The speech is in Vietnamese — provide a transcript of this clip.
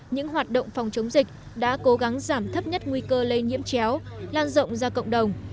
những hoạt động phòng chống dịch đã cố gắng giảm thấp nhất nguy cơ lây nhiễm chéo lan rộng ra cộng đồng